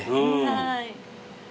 はい。